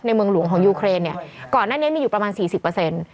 ในเมืองหลวงของยูเครนเนี่ยก่อนนั้นเนี่ยมีอยู่ประมาณ๔๐